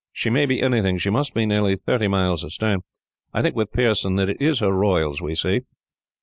"She may be anything. She must be nearly thirty miles astern. I think, with Pearson, that it is her royals we see."